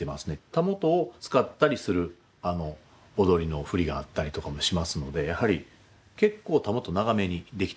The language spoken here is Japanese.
たもとを使ったりする踊りの振りがあったりとかもしますのでやはり結構たもと長めにできてますね。